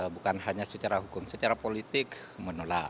bukan hanya secara hukum secara politik menolak